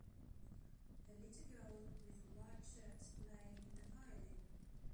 A little girl with a white shirt playing a violin.